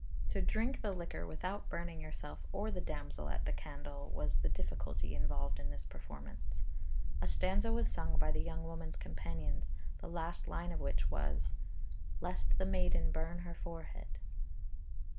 To drink the liquor without burning yourself or the damsel at the candle was the difficulty involved in this performance. A stanza was sung by the young woman's companions, the last line of which was, Rhag i'r feinwen losgi ei thalcen. (Lest the maiden burn her forehead.